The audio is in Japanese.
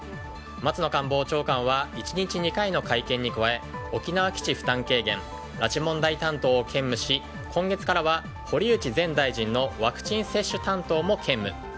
松野官房長官は１日２回の会見に加え沖縄基地負担軽減拉致問題担当を兼務し今月からは堀内前大臣のワクチン接種担当も兼務。